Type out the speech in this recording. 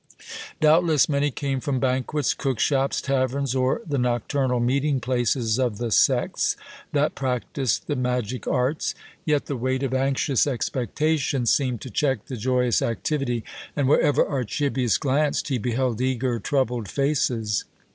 Doubtless many came from banquets, cookshops, taverns, or the nocturnal meeting places of the sects that practised the magic arts, yet the weight of anxious expectation seemed to check the joyous activity, and wherever Archibius glanced he beheld eager, troubled faces.